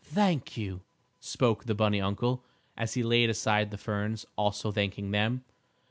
"Thank you," spoke the bunny uncle, as he laid aside the ferns, also thanking them.